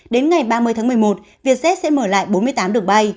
đến ngày ba mươi tháng một mươi một vietjet sẽ mở lại bốn mươi tám đường bay